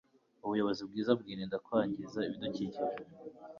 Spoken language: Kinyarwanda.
ubuyobozi bwiza bwirinda kwangiza ibidukikije